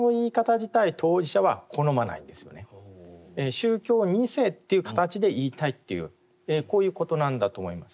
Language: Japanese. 宗教２世という形で言いたいっていうこういうことなんだと思います。